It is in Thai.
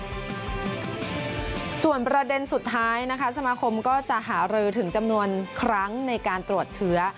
ส่วนประเด็นสุดท้ายนะคะสมาคมก็จะหารือถึงจำนวนครั้งในการตรวจเชื้อ